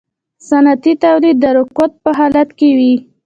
صنعتي تولید د رکود په حالت کې وي